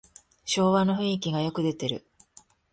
昭和の雰囲気がよく出てる